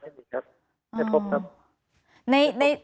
ไม่มีครับไม่มีครับไม่พบครับ